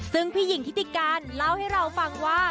ซึ่งพี่หญิงทิติการเล่าให้เราฟังว่า